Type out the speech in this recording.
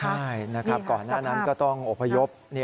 ใช่นะครับก่อนหน้านั้นก็ต้องอบพยพ